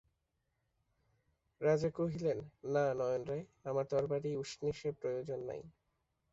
রাজা কহিলেন, না নয়নরায়, আমার তরবারি-উষ্ণীষে প্রয়োজন নাই।